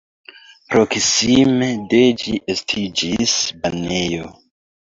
Proksime de ĝi estiĝis banejo.